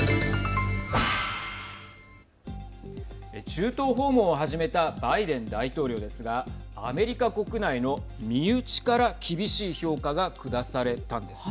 中東訪問を始めたバイデン大統領ですがアメリカ国内の身内から厳しい評価が下されたんです。